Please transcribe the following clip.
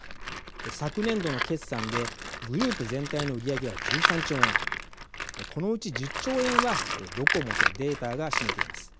昨年度の決算でグループ全体の売り上げは１３兆円このうち１０兆円はドコモとデータが占めています。